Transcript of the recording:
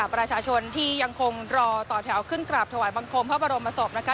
ประชาชนที่ยังคงรอต่อแถวขึ้นกราบถวายบังคมพระบรมศพนะคะ